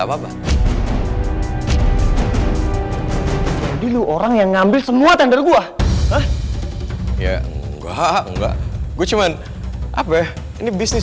apa apa jadi lu orang yang ngambil semua tender gue ya enggak enggak gua cuman apa ya ini bisnis